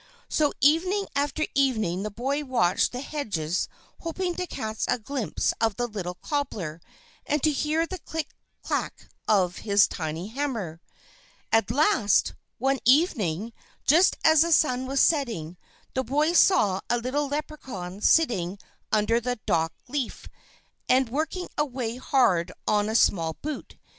So, evening after evening, the boy watched the hedges hoping to catch a glimpse of a little cobbler, and to hear the click clack of his tiny hammer. At last, one evening, just as the sun was setting, the boy saw a little Leprechaun sitting under a dock leaf, and working away hard on a small boot.